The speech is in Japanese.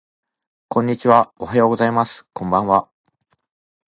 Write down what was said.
こんにちはおはようございますこんばんは